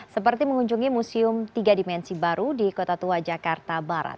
seperti mengunjungi museum tiga dimensi baru di kota tua jakarta barat